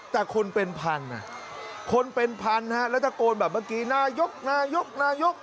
แต่คนเป็นพันธุ์คนเป็นพันธุ์รัฐกรณ์แบบเมื่อกี้นายกนายกนายก